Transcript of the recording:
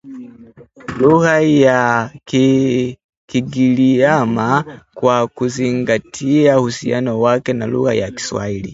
lugha ya Kigiriama kwa kuzingatia uhusiano wake na lugha ya Kiswahili